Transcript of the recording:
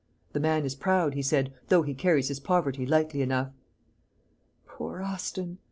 'The man is proud,' he said, 'though he carries his poverty lightly enough.'" "Poor Austin!"